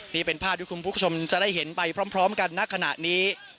นี่เป็นภาพที่คุณผู้ชมจะได้เห็นไปพร้อมกันณขณะนี้